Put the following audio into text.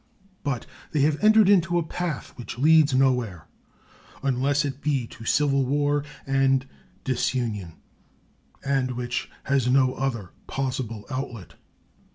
But they have entered into a path which leads nowhere unless it be to civil war and disunion, and which has no other possible outlet.